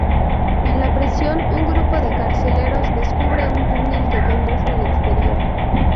En la prisión, un grupo de carceleros descubre un túnel que conduce al exterior.